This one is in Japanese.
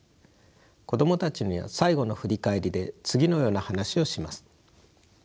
子供たちには最後の振り返りで次のような話をします。